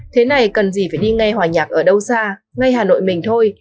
thế này cần gì phải đi nghe hòa nhạc ở đâu xa ngay hà nội mình thôi